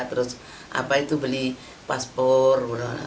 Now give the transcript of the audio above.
terus apa itu beli paspor